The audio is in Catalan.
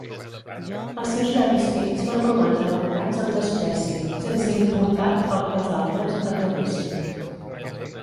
Els seus llavis fins van romandre tancats amb despreci, sense importat el que els altres admetessin.